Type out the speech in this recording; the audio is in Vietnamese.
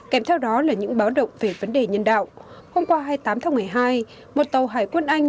kèm theo đó là những báo động về vấn đề nhân đạo hôm qua hai mươi tám tháng một mươi hai một tàu hải quân anh